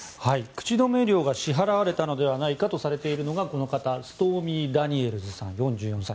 口止め料が支払われたのではないかと思われているのがストーミー・ダニエルズさん４４歳。